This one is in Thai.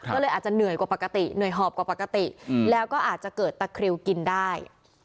ก็เลยอาจจะเหนื่อยกว่าปกติเหนื่อยหอบกว่าปกติแล้วก็อาจจะเกิดตะคริวกินได้